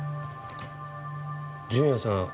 純也さん